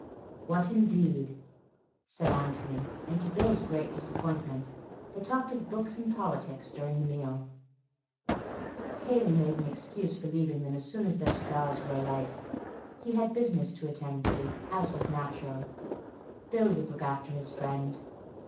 "What, indeed?" said Antony, and to Bill's great disappointment they talked of books and politics during the meal. Cayley made an excuse for leaving them as soon as their cigars were alight. He had business to attend to, as was natural. Bill would look after his friend.